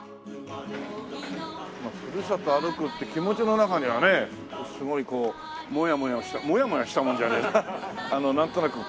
ふるさと歩くって気持ちの中にはねすごいこうもやもやしたもやもやしたもんじゃねえな。